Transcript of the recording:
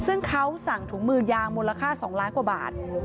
ซึ่งเขาสั่งถุงมือยางมูลค่า๒ล้านกว่าบาท